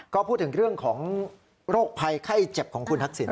ก็พูดถึงเรื่องของโรคภัยไข้เจ็บของคุณทักษิณ